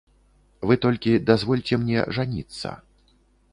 Вы толькі дазвольце мне жаніцца.